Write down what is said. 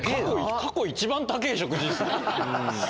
過去一番高ぇ食事ですね。